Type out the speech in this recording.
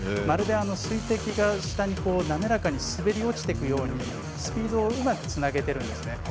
まるで水滴が下に滑らかに滑り落ちていくようにスピードをうまくつなげているんですね。